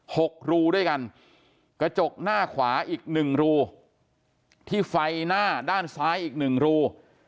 หกรูด้วยกันกระจกหน้าขวาอีกหนึ่งรูที่ไฟหน้าด้านซ้ายอีกหนึ่งรู